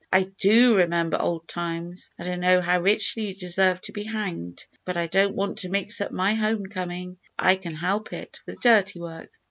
"I do remember old times, and I know how richly you deserve to be hanged; but I don't want to mix up my home coming, if I can help it, with dirty work.